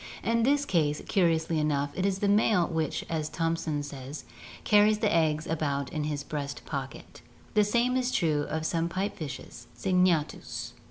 In this case, curi ously enough, it is the male which, as Thomson says, "carries the eggs about in his breast pocket." The same is true of some pipe fishes (Syngnatkus).